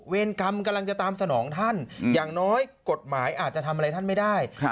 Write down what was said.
กรรมกำลังจะตามสนองท่านอย่างน้อยกฎหมายอาจจะทำอะไรท่านไม่ได้